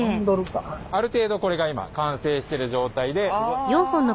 ある程度これが今完成してる状態で。